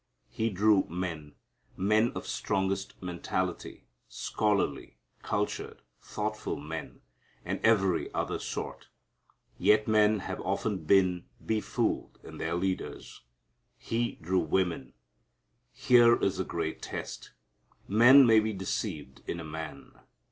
He drew men men of strongest mentality, scholarly, cultured, thoughtful men, and every other sort. Yet men have often been befooled in their leaders. He drew women. Here is a great test. Men may be deceived in a man.